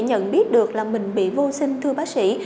nhận biết được là mình bị vô sinh thưa bác sĩ